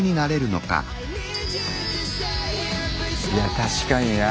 いや確かにな。